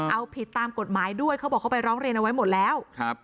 เอาผิดตามกฎหมายด้วยเขาบอกเขาไปร้องเรียนเอาไว้หมดแล้วครับ